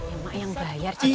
emak yang bayar jadi